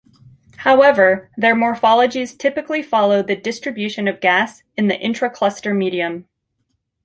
However, their morphologies typically follow the distribution of gas in the intra-cluster medium.